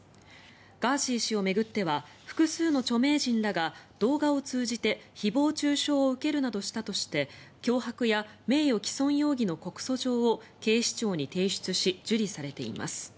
ガーシー氏を巡っては複数の著名人らが、動画を通じて誹謗・中傷を受けるなどしたとして脅迫や名誉毀損容疑の告訴状を警視庁に提出し受理されています。